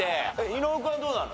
伊野尾君はどうなの？